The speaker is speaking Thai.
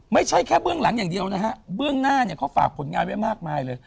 ไม่ใช่แค่เบื้องหลังอย่างเดียวนะฮะเบื้องหน้าเนี่ยเขาฝากผลงานไว้มากมายเลย